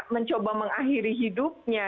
mencoba mengakhiri hidupnya